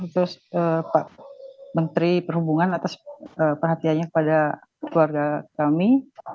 terus pak menteri perhubungan atas perhatiannya kepada keluarga kami